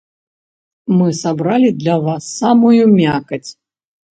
Мы сабралі для вас самую мякаць.